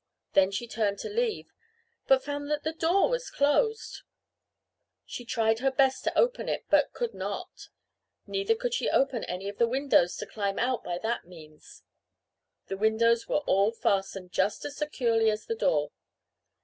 Then she turned to leave, but found that the door was closed. She tried her best to open it but could not. Neither could she open any of the windows to climb out by that means. The windows were all fastened just as securely as the door.